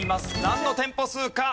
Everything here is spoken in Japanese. なんの店舗数か？